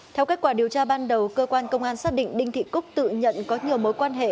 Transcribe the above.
theo kết quả điều tra ban đầu cơ quan công an xác định đinh thị cúc tự nhận có nhiều mối quan hệ